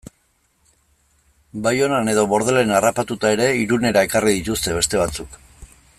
Baionan edo Bordelen harrapatuta ere Irunera ekarri dituzte beste batzuk...